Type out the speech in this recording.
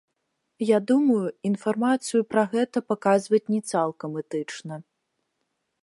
Я думаю, інфармацыю пра гэта паказваць не цалкам этычна.